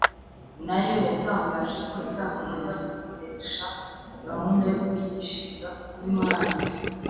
nayo yatangaje ko izakomeza gukoresha gahunda yo kwigishiriza kuri murandasi .